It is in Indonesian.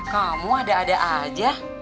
kamu ada ada aja